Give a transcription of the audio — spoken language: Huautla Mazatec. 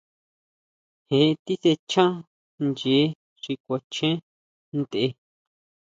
Je tisʼechan ʼyee xi kuachen ntʼe.